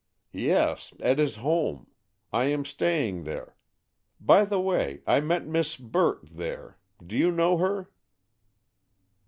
"Yes, at his home. I am staying there. By the way, I met Miss Burt there; do you know her?"